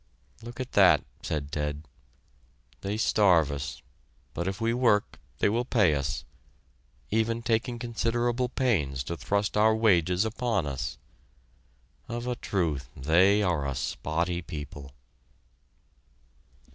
"Look at that," said Ted; "they starve us, but if we work they will pay us, even taking considerable pains to thrust our wages upon us. Of a truth they are a 'spotty' people."